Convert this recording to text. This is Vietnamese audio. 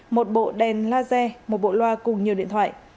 một bộ đèn laser một bộ loa cùng nhiều điện thoại